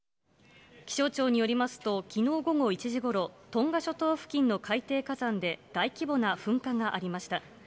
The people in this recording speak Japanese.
気象庁によりますと、きのう午後１時ごろ、トンガ諸島付近の海底火山で大規模な噴火がありました。